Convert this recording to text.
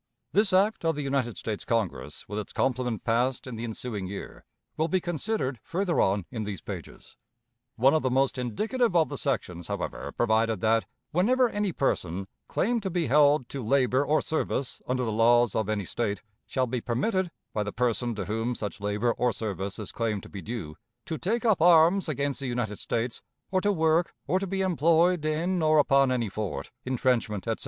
This act of the United States Congress, with its complement passed in the ensuing year, will be considered further on in these pages. One of the most indicative of the sections, however, provided that, whenever any person, claimed to be held to labor or service under the laws of any State, shall be permitted, by the person to whom such labor or service is claimed to be due, to take up arms against the United States, or to work, or to be employed in or upon any fort, intrenchment, etc.